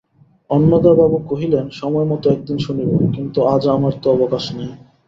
অন্নদাবাবু কহিলেন, সময়মত একদিন শুনিব, কিন্তু আজ আমার তো অবকাশ নাই।